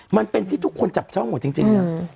มันเป็นที่ทุกคนจับจ้องหมดจริง